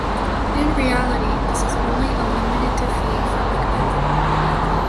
In reality this was only a limited defeat for Macbeth.